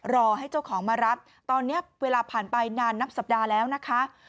รอให้เจ้าของมารับตอนนี้เวลาผ่านไปนานนับสัปดาห์แล้วนะคะ